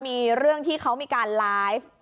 มีเรื่องที่เขามีการไลฟ์